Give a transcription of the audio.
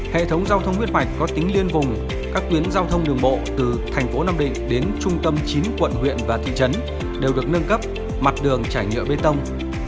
hệ thống giao thông huyết mạch có tính liên vùng các tuyến giao thông đường bộ từ thành phố nam định đến trung tâm chín quận huyện và thị trấn đều được nâng cấp mặt đường trải nhựa bê tông